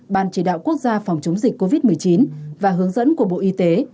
ban chỉ đạo quốc gia phòng chống dịch covid một mươi chín và hướng dẫn của bộ y tế